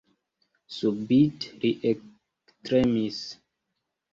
Subite li ektremis.